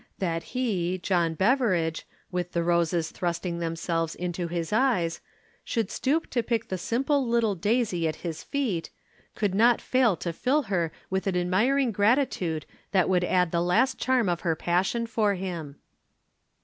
That he, John Beveridge, with the roses thrusting themselves into his eyes, should stoop to pick the simple little daisy at his feet, could not fail to fill her with an admiring gratitude that would add the last charm to her passion for him.